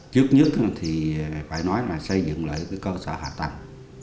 trước nhất thì phải nói là xây dựng lại cơ sở hạ tầng